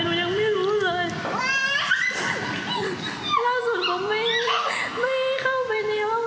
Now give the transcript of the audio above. หนูยังไม่รู้เลยล่าสุดหนูไม่ไม่เข้าไปในห้อง